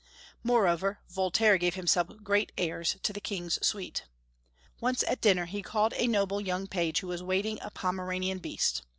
Moreover, Voltaire gave himself great airs to the King's suite. Once, at dinner, he called a noble young page who was waiting a Pomeranian beast.